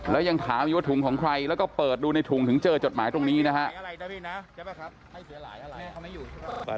แล้วยังถามอยู่ว่าถุงของใครแล้วก็เปิดดูในถุงถึงเจอจดหมายตรงนี้นะฮะ